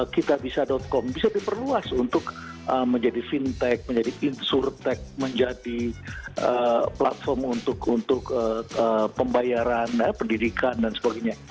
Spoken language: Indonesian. kitabisa com bisa diperluas untuk menjadi fintech menjadi insurtech menjadi platform untuk pembayaran pendidikan dan sebagainya